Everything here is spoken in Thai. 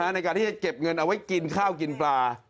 ในการที่จะเก็บเงินเอาไว้กินข้าวกินปลา